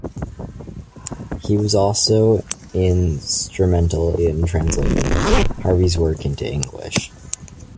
He was also instrumental in translating Havel's works into English.